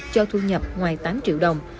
cho thu nhập ngoài tám triệu đồng